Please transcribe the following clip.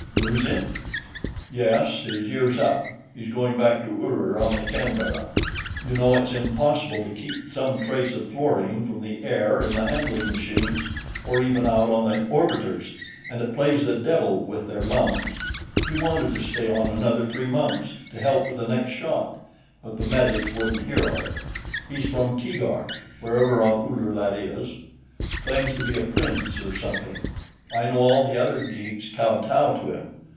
"Lose him?" "Yes, his year's up; he's going back to Uller on the Canberra. You know, it's impossible to keep some trace of fluorine from the air in the handling machines, or even out on the orbiters, and it plays the devil with their lungs. He wanted to stay on another three months, to help with the next shot, but the medics wouldn't hear of it.... He's from Keegark, wherever on Uller that is; claims to be a prince, or something. I know all the other geeks kowtow to him.